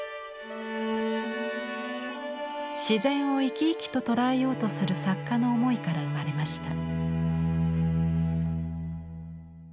自然を生き生きと捉えようとする作家の思いから生まれました。